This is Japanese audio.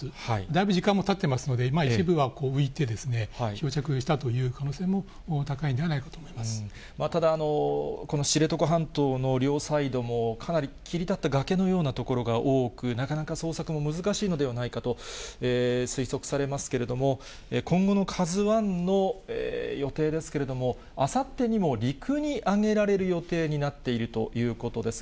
だいぶ時間もたってますので、一部は浮いて、漂着したという可能性も高いんではないかと思いまただ、この知床半島の両サイドもかなり切り立った崖のような所が多く、なかなか捜索も難しいのではないかと推測されますけれども、今後のＫＡＺＵＩの予定ですけれども、あさってにも陸に揚げられる予定になっているということです。